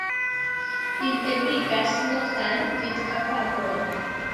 Ili ebligas noktan vidkapablon.